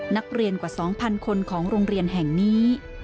นักเรียนกว่า๒๐๐คนของโรงเรียนแห่งนี้